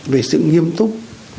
về sự nghiêm túc